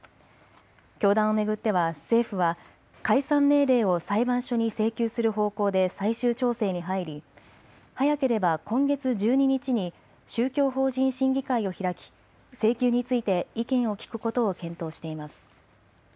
教団を巡っては政府は解散命令を裁判所に請求する方向で最終調整に入り早ければ今月１２日に宗教法人審議会を開き請求について意見を聴くことを検討しています。